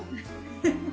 フフフ。